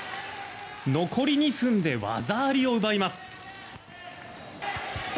残り２分で技ありを奪います。